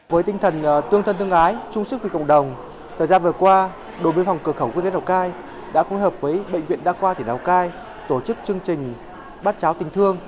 với tinh thần tương thân tương ái chung sức vì cộng đồng thời gian vừa qua đồn biên phòng cửa khẩu quốc tế lào cai đã phối hợp với bệnh viện đa khoa thể lào cai tổ chức chương trình bát cháo tình thương